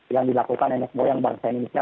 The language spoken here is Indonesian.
yang dilakukan nsmo yang bangsa indonesia